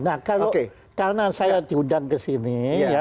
nah kalau karena saya diundang ke sini